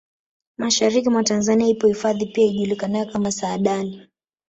Mashariki mwa Tanzania ipo hifadhi pia ijulikanayo kama Saadani